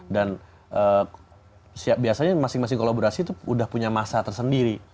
dan biasanya masing masing kolaborasi itu udah punya masa tersendiri